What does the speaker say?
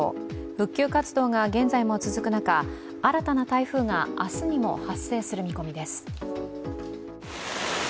復旧活動が現在も続く中、新たな台風が明日にも発生する見込みです。